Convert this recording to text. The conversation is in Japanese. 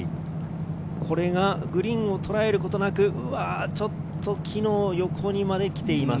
これはグリーンをとらえることなく、ちょっと木の横にまで来ています。